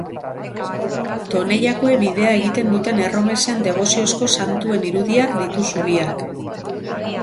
Donejakue bidea egiten duten erromesen deboziozko santuen irudiak ditu zubiak.